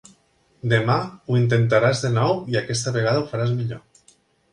Demà ho intentaràs de nou i aquesta vegada ho faràs millor.